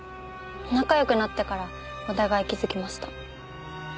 仲よくなってからお互い気づきました。